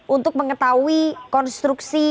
untuk mengetahui konstruksi